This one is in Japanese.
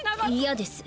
嫌です。